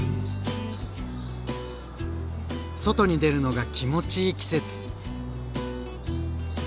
外に出るのが気持ちいい季節。